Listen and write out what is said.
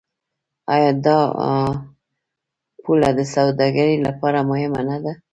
آیا دا پوله د سوداګرۍ لپاره مهمه نه ده؟